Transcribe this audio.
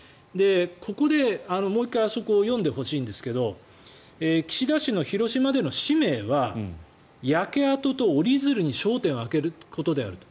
ここでもう１回あそこを読んでほしいんですが岸田氏の広島での使命は焼け跡と折り鶴に焦点を当てることであると。